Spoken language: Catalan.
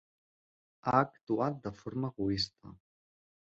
Ha actuat de forma egoista.